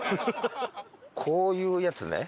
こういうやつね。